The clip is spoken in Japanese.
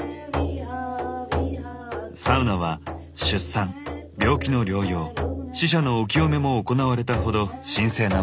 サウナは出産病気の療養死者のお清めも行われたほど神聖な場所なんです。